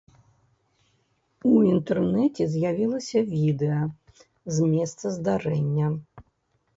У інтэрнэце з'явілася відэа з месца здарэння.